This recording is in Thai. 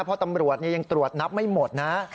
เพราะตำรวจยังตรวจนับไม่หมดนะ